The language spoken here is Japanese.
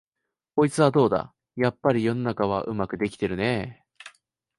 こいつはどうだ、やっぱり世の中はうまくできてるねえ、